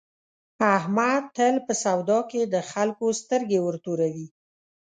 احمد تل په سودا کې د خلکو سترګې ورتوروي.